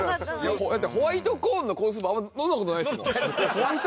ホワイトコーンのコーンスープあんま飲んだ事ないですもん。